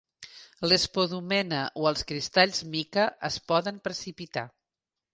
L'espodumena o els cristalls mica es poden precipitar.